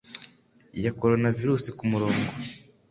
ya coronavirus Kumurongo